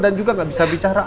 dan juga gak bisa bicara